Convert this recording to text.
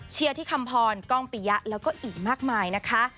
ที่คำพรกล้องปิยะแล้วก็อีกมากมายนะคะ